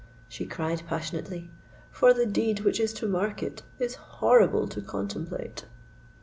she cried passionately: "for the deed which is to mark it, is horrible to contemplate!"